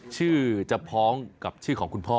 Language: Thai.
ชื่อจะพ้องกับชื่อของคุณพ่อ